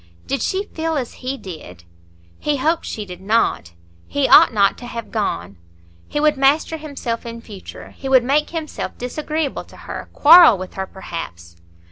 Did she feel as he did? He hoped she did—not. He ought not to have gone. He would master himself in future. He would make himself disagreeable to her, quarrel with her perhaps.